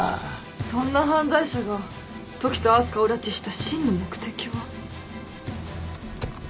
そんな犯罪者が時田明日香を拉致した真の目的は？